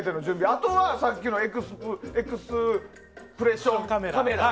あとは、さっきのエクスプレッションカメラ。